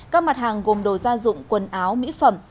các mặt hàng gồm đồ gia dụng quần áo mỹ phẩm